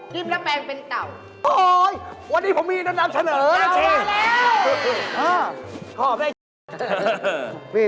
จิ้มแล้วแปลงเป็นเต่าโอ๊ยวันนี้ผมมีอนุญาตเฉลิมเรามาแล้ว